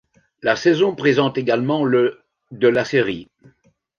La saison présente également le de la série.